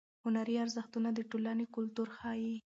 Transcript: هنري ارزښتونه د ټولنې کلتور ښیي.